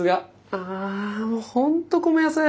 あもう本当こめやさい。